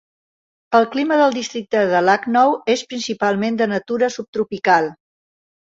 El clima del districte de Lucknow és principalment de natura subtropical.